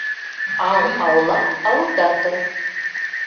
Ау аула, ауылда тор.